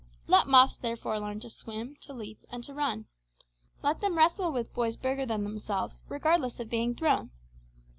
Let muffs, therefore, learn to swim, to leap, and to run. Let them wrestle with boys bigger than themselves, regardless of being thrown.